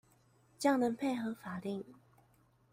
較能配合法令